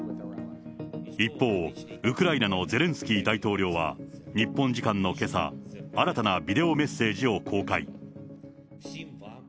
一方、ウクライナのゼレンスキー大統領は日本時間のけさ、新たなビデオメッセージを公開。